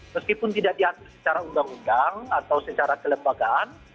meskipun tidak diatur secara undang undang atau secara kelembagaan